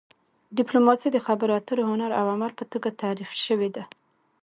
ډیپلوماسي د خبرو اترو هنر او عمل په توګه تعریف شوې ده